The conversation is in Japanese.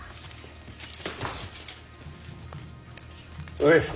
上様。